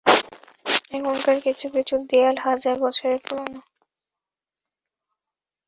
এখানকার কিছু কিছু দেয়াল হাজার বছরের পুরানো।